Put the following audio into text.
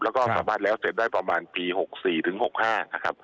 แล้วก็สามารถแล้วเสร็จได้ประมาณปี๖๔ถึง๖๕นะครับ